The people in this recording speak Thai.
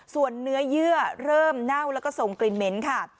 ส่วนเนื้อเยื่อเริ่มเน่าแล้วก็ส่งกลิ่นเหม็นค่ะ